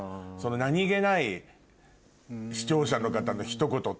何げない視聴者の方のひと言ってさ。